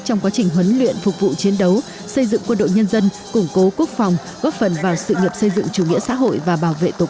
trong quá trình huấn luyện phục vụ chiến đấu xây dựng quân đội nhân dân củng cố quốc phòng góp phần vào sự nghiệp xây dựng chủ nghĩa xã hội và bảo vệ tổ quốc